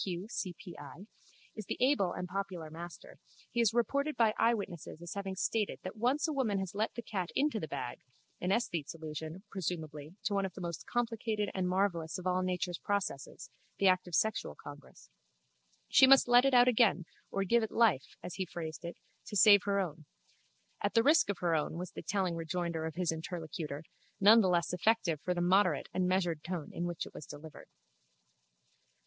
K. Q. C. P. I.) is the able and popular master, he is reported by eyewitnesses as having stated that once a woman has let the cat into the bag (an esthete's allusion, presumably, to one of the most complicated and marvellous of all nature's processes—the act of sexual congress) she must let it out again or give it life, as he phrased it, to save her own. At the risk of her own, was the telling rejoinder of his interlocutor, none the less effective for the moderate and measured tone in which it was delivered.